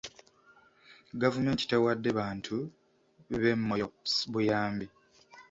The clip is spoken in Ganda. Gavumenti tewadde bantu b'e Moyo buyambi.